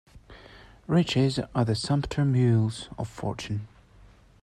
Riches are the sumpter mules of fortune.